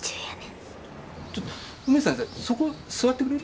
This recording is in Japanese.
ちょっと梅津さんさそこ座ってくれる？